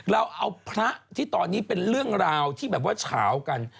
เราเอาพระที่ตอนนี้เป็นเรื่องราวที่แบบว่าเฉากัน